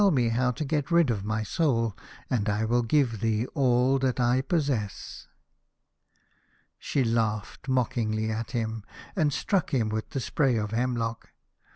me how to get rid of my soul, and I will give thee all that I possess." She laughed mockingly at him, and struck him with the spray of hemlock.